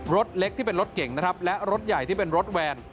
รถเล็กที่เป็นรถเก่งนะครับและรถใหญ่ที่เป็นรถแวน